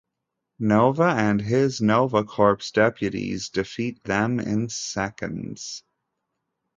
Nova and his Nova Corps deputees defeat them in seconds.